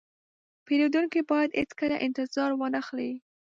پیرودونکی باید هیڅکله انتظار وانهخلي.